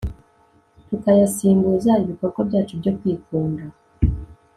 tukayasimbuza ibikorwa byacu byo kwikunda